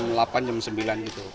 dari jam sembilan itu